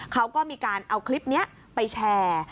เขาก็มีการเอาคลิปนี้ไปแชร์